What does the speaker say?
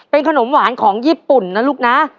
เป็นขนมหวานของญี่ปุ่นนะลูกนะ